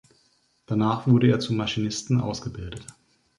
Danach wurde er zum Maschinisten ausgebildet.